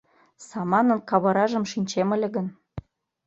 Саманын кавыражым шинчем ыле гын